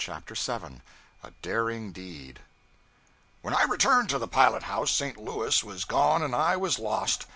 CHAPTER 7 A Daring Deed WHEN I returned to the pilot house St. Louis was gone and I was lost.